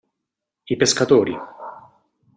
I pescatori!